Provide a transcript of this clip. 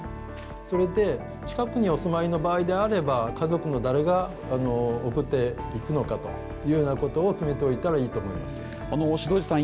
それで近くにお住まいの場合であれば家族の誰が送っていくのかというようなことを決めておいたら志堂寺さん